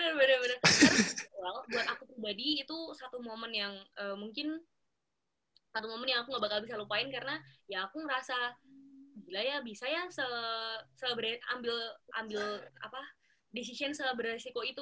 karena well buat aku pribadi itu satu momen yang mungkin satu momen yang aku gak bakal bisa lupain karena ya aku ngerasa gila ya bisa ya ambil decision seberesiko itu gitu